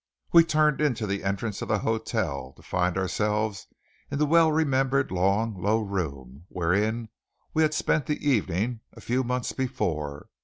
We turned into the entrance of the hotel, to find ourselves in the well remembered long, low room wherein we had spent the evening a few months before.